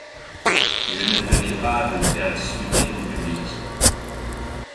Je ne tenais pas à me faire discuter en public.